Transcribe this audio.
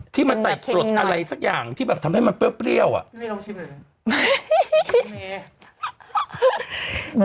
ที่มาใส่กรดอะไรสักอย่างที่แบบทำให้มันเปรี้ยวอ่ะ